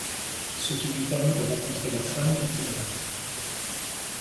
Ce qui lui permet de rencontrer la femme dont il rêve.